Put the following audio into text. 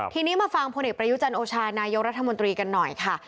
ทีนี้มาฟังพลเอกประยุจันโอชานายกรัฐมนตรีกันหน่อยค่ะ